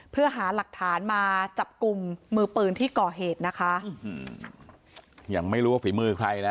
เพื่อหาหลักฐานมาจับกลุ่มมือปืนที่ก่อเหตุนะคะยังไม่รู้ว่าฝีมือใครนะ